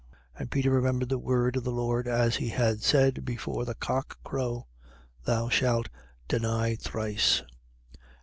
And Peter remembered the word of the Lord, as he had said: Before the cock crow, thou shalt deny thrice.